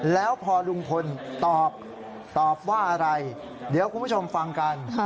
แล้วพอลุงพลตอบตอบว่าอะไรเดี๋ยวคุณผู้ชมฟังกัน